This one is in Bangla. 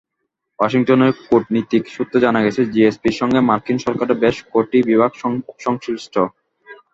ওয়াশিংটনের কূটনীতিক সূত্রে জানা গেছে, জিএসপির সঙ্গে মার্কিন সরকারের বেশ কটি বিভাগ সংশ্লিষ্ট।